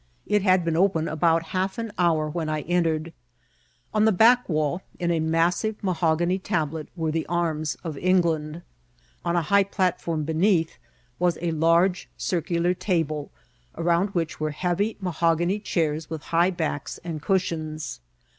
It had been open about half an hour when I entered* On the back wall, in a massive mahogany tablet, were the arms of England ; on a high platform beneath was a large circular table, around which were heavy ma^ hogany chairs with high backs and cushions.